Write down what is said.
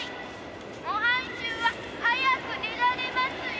「模範囚は早く出られますよー！」